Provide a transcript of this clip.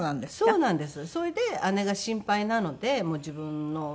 そうなんです。